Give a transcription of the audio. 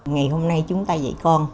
ngày hôm nay chúng ta dạy con